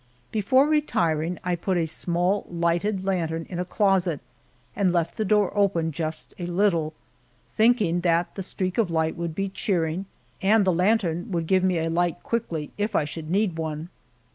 Before retiring, I put a small, lighted lantern in a closet and left the door open just a little, thinking that the streak of light would be cheering and the lantern give me a light quickly if I should need one.